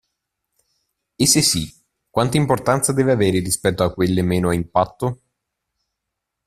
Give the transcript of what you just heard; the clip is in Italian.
E se sì, quanta importanza deve avere rispetto a quelle meno a impatto?